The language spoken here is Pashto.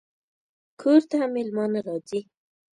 کور ته مېلمانه راځي